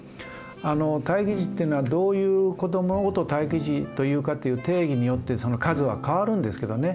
待機児っていうのはどういう子どものことを待機児というかっていう定義によってその数は変わるんですけどね。